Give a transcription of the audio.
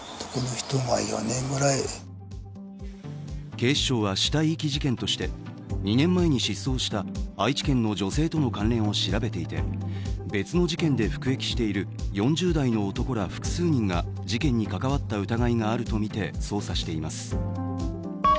警視庁は死体遺棄事件として２年前に失踪した愛知県の女性との関連を調べていて別の事件で服役している４０代の男ら複数人が事件に関わった疑いがあるとみて捜査しています。